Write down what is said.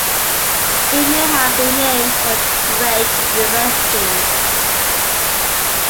It may have been named for Drake University.